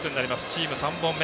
チーム３本目。